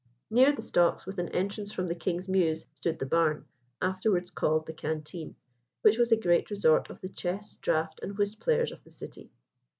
Near the stocks, with an entrance from the King's Mews, stood "the Barn," afterwards called "the Canteen," which was a great resort of the chess, draught, and whist players of the City.